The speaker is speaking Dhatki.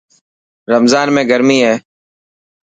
رمضان ۾ گرمي هي.